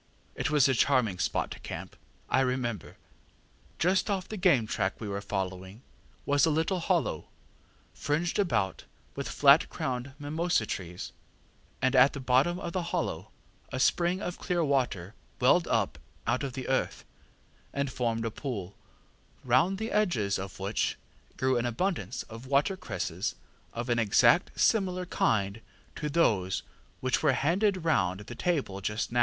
It was a charming spot to camp, I remember. Just off the game track we were following was a little hollow, fringed about with flat crowned mimosa trees, and at the bottom of the hollow, a spring of clear water welled up out of the earth, and formed a pool, round the edges of which grew an abundance of watercresses of an exactly similar kind to those which were handed round the table just now.